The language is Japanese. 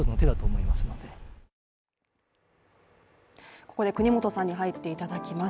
ここで國本さんに入っていただきます。